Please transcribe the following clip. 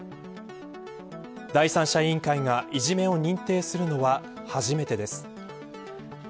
第三者委員会がいじめを認定するのは初めてです。